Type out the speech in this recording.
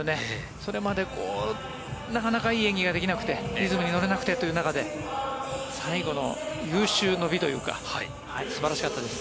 それまではなかなかいい演技ができなくてリズムに乗れなくてという中で最後の有終の美というか素晴らしかったです。